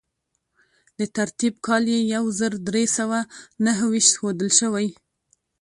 د ترتیب کال یې یو زر درې سوه نهه ویشت ښودل شوی.